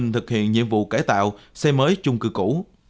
thực hiện nhiệm vụ cải tạo xây mới chung cư cũ